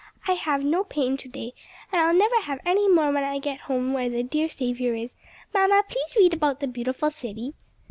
I have no pain to day; and I'll never have any more when I get home where the dear Saviour is. Mamma, please read about the beautiful city."